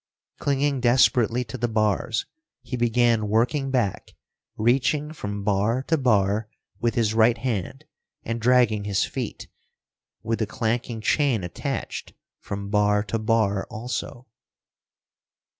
Clinging desperately to the bars, he began working back, reaching from bar to bar with his right hand and dragging his feet, with the clanking chain attached, from bar to bar also.